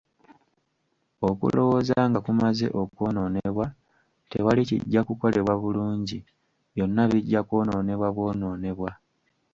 Okulowooza nga kumaze okwonoonebwa, tewali kijja kukolebwa bulungi, byonna bijja kwonoonebwa bwonoonebwa.